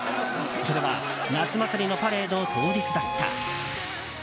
それは、夏祭りのパレード当日だった。